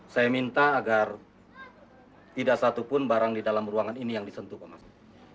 saya minta agar tidak satupun barang di dalam ruangan ini yang disentuh pak masud